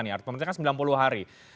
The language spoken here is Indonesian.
pemerintah kan sembilan puluh hari